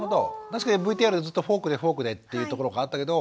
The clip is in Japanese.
確かにＶＴＲでずっとフォークでフォークでっていうところがあったけど。